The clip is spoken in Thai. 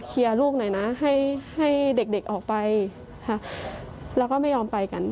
เคลียร์ลูกหน่อยนะให้ให้เด็กออกไปค่ะแล้วก็ไม่ยอมไปกัน